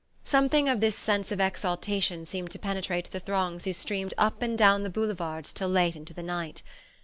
Something of this sense of exaltation seemed to penetrate the throngs who streamed up and down the Boulevards till late into the night.